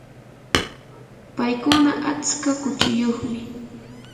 paykuna atska kuchiyuqmi.